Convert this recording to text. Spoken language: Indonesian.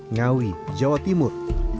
ngawi jawa timur